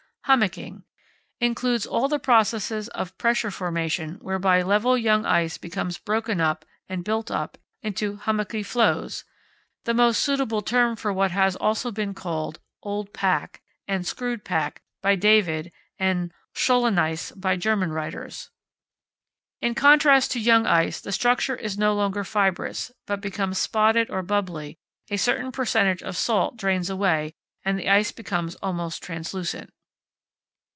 Hummocking. Includes all the processes of pressure formation whereby level young ice becomes broken up and built up into Hummocky Floes. The most suitable term for what has also been called "old pack" and "screwed pack" by David and Scholleneis by German writers. In contrast to young ice, the structure is no longer fibrous, but becomes spotted or bubbly, a certain percentage of salt drains away, and the ice becomes almost translucent.